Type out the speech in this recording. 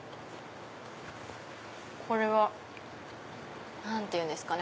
これは何ていうんですかね。